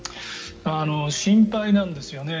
心配なんですよね。